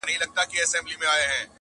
او فکر ژور نقد وړلاندي کوي،